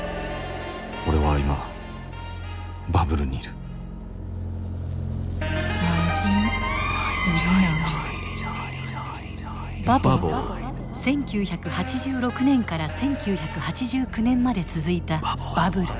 俺は今バブルにいる１９８６年から１９８９年まで続いたバブル。